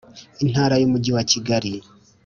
Intara y’umujyi wa Kigali.